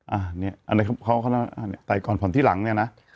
อ่ะเนี้ยอันนี้เขาเขาอ่ะใส่ก่อนผ่อนที่หลังเนี้ยน่ะ